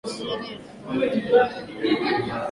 Jeannie alikuwa na matembezi ya klabu ya usiku